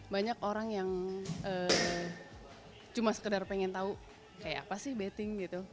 banyak orang yang cuma sekedar pengen tahu kayak apa sih betting gitu